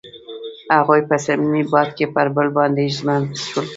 هغوی په صمیمي باد کې پر بل باندې ژمن شول.